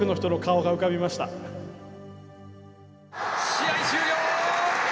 「試合終了！